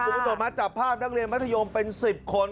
ดูมาจับภาพนักเรียนวัฒนธุ์ยมเป็น๑๐คน